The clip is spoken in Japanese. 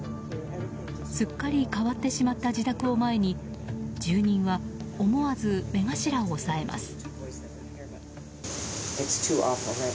すっかり変わってしまった自宅を前に住人は思わず目頭を押さえます。